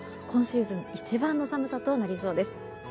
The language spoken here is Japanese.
今シーズン一番の寒さとなりそうです。